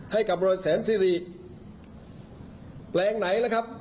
ให้กับบริษัทแสนสิริแปลงไหนล่ะครับ